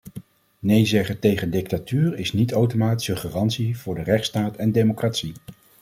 Nee zeggen tegen dictatuur is niet automatisch een garantie voor de rechtsstaat en democratie.